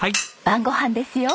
晩ご飯ですよ。